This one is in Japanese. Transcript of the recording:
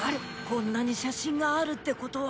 こんなに写真があるってことは。